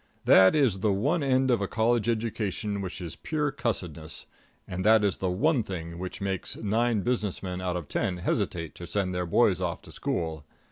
That is the one end of a college education which is pure cussedness; and that is the one thing which makes nine business men out of ten hesitate to send their boys off to school.